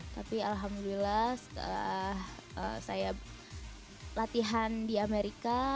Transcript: tapi alhamdulillah setelah saya latihan di amerika